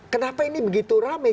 kenapa ini begitu rame